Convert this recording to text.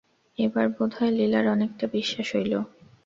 এবার বোধ হয় লীলার অনেকটা বিশ্বাস হইল।